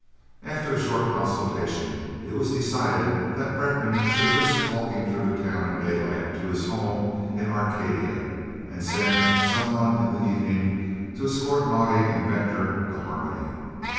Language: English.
After a short consultation it was decided that Brenckmann should risk walking through the town in daylight to his home in Arcadia and send some one in the evening to escort Naudé and Venter to Harmony.